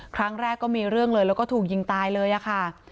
ก็มีเรื่องเลยแล้วก็ถูกยิงตายเลยอะค่ะ